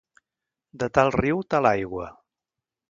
De tal riu, tal aigua.